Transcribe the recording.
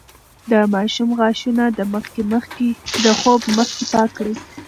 د ماشوم غاښونه د خوب مخکې پاک کړئ.